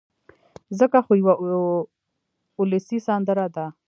ځکه خو يوه اولسي سندره ده